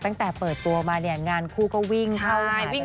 ตั้งแต่เปิดตัวมางานคู่ก็วิ่งเท่านั้น